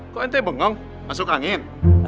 kok nanti bengong masuk angin